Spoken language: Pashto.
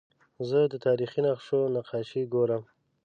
زه د تاریخي نقشو نقاشي ګورم.